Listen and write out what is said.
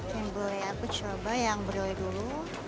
krim bule aku coba yang berulang dulu